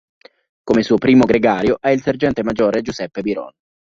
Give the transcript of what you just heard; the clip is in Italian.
Come suo primo gregario ha il sergente maggiore Giuseppe Biron.